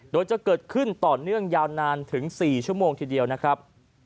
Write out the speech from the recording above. โดยจะเกิดขึ้นต่อเนื่องยาวนานถึง๔ชั่วโมงทีเดียวนะครับ